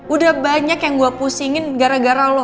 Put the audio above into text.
udah banyak yang gue pusingin gara gara lo